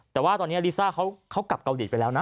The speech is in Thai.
แต่ว่าตอนนี้ลิซ่าเขากลับเกาหลีไปแล้วนะ